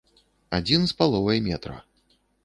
Адзін з паловай метра.